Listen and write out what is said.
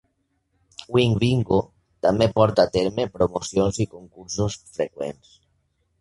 Wink Bingo també porta a terme promocions i concursos freqüents.